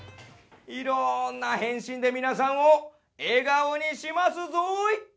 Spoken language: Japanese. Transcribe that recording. いろんな変身で皆さんを笑顔にしますぞーい！